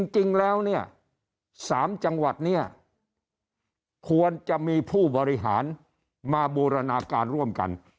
จริงแล้วเนี่ย๓จังหวัดเนี่ยควรจะมีผู้บริหารมาบูรณาการร่วมกัน